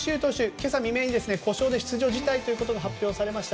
今朝未明に故障で出場辞退と発表されました。